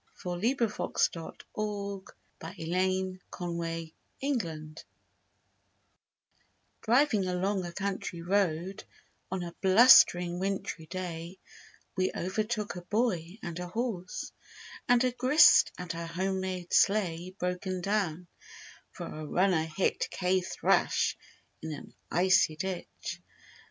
On Europe's awful carnage) THE BROKEN SLEIGH Driving along a country road On a blustering wintry day We overtook a boy and a horse And a grist and a home made sleigh Broken down: for a runner hit K thrash, in an icy ditch.